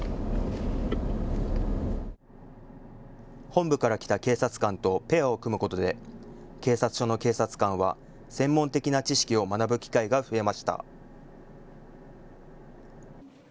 本部から来た警察官とペアを組むことで警察署の警察官は専門的な知識を学ぶ機会が増えました。